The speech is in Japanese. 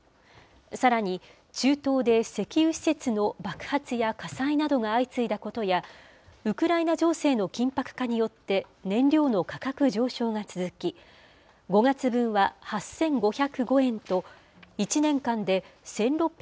さらに、中東で石油施設の爆発や火災などが相次いだことや、ウクライナ情勢の緊迫化によって、燃料の価格上昇が続き、５月分は８５０５円と、１年間で１６００円